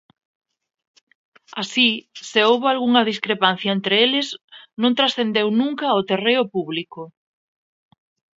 Así, se houbo algunha discrepancia entre eles, non transcendeu nunca ao terreo público.